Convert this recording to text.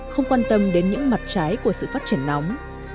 không quan tâm đến những mặt trái của sự phát triển nóng